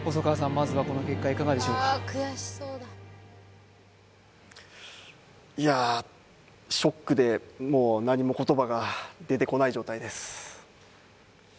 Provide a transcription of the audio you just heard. まずはこの結果いかがでしょうかいやショックでもう何も言葉が出てこない状態です